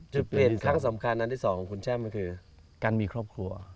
จุดเปลี่ยนครั้งสำคัญอันที่สองคุณแจ้มก็คือการมีครอบครัว